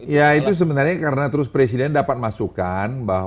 ya itu sebenarnya karena terus presiden dapat masukkan bahwa